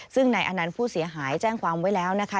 ซึ่งนายอนันต์ผู้เสียหายแจ้งความไว้แล้วนะคะ